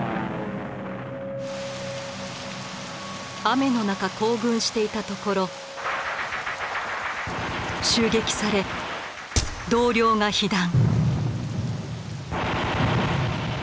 雨の中行軍していたところ襲撃され同僚が被弾。